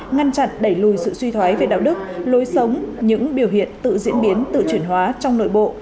ngăn chặn đẩy lùi sự suy thoái về đạo đức lối sống những biểu hiện tự diễn biến tự chuyển hóa trong nội bộ